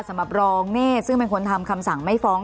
สำหรับรองเนธซึ่งเป็นคนทำคำสั่งไม่ฟ้อง